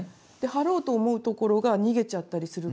貼ろうと思うところが逃げちゃったりするから。